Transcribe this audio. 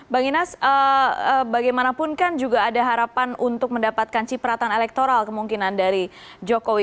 bang inas bagaimanapun kan juga ada harapan untuk mendapatkan cipratan elektoral kemungkinan dari jokowi